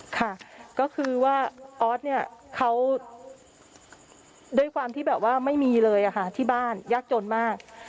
ค่ะก็คือว่าออสเนี่ยเขาด้วยความที่แบบว่าไม่มีเลยค่ะที่บ้านยากจนมาก